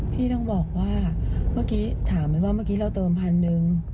พี่ต้องบอกว่าเมื่อกี้ถามไหมว่าเมื่อกี้เราเติมพันหนึ่ง